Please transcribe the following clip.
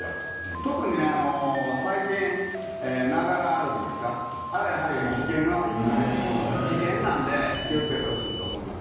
特に最近、ながら歩きですかあれはやはり危険なので気をつけてほしいと思います。